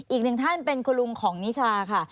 อีกหนึ่งท่านเป็นคุณลุงของนิชาค่ะ